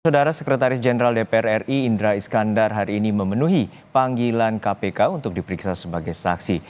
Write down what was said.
saudara sekretaris jenderal dpr ri indra iskandar hari ini memenuhi panggilan kpk untuk diperiksa sebagai saksi